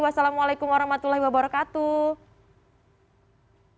wassalamualaikum warahmatullahi wabarakatuh